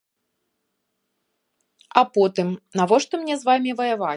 А потым, навошта мне з вамі ваяваць?